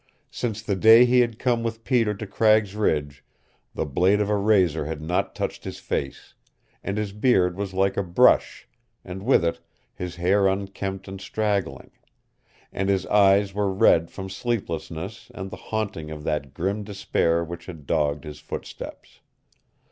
Since the day he had come with Peter to Cragg's Ridge the blade of a razor had not touched his face, and his beard was like a brush, and with it his hair unkempt and straggling; and his eyes were red from sleeplessness and the haunting of that grim despair which had dogged his footsteps.